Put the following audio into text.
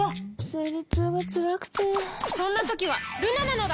生理痛がつらくてそんな時はルナなのだ！